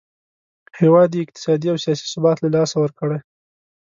هیواد یې اقتصادي او سیاسي ثبات له لاسه ورکړی.